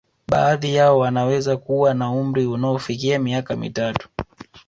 Baadhi yao wanaweza kuwa na umri unaofikia miaka mitatu